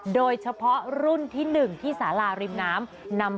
โดยเฉพาะรุ่นที่๑ที่สาราริมน้ำ